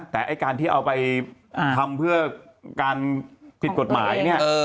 แต่ไอ้การที่เอาไปทำเพื่อการผิดกฎหมายเนี่ย